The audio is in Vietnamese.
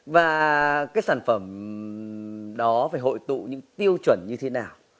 và cái sản phẩm đó phải hội tụ những tiêu chuẩn như thế nào